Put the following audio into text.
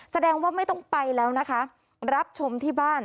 แสดงว่าไม่ต้องไปแล้วนะคะรับชมที่บ้าน